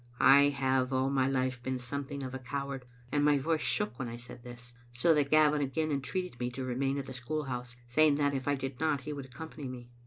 I have all my life been something of a coward, and my voice shook when I said this, so that Gavin again entreated me to remain at the school house, saying that if I did not he would accompany me.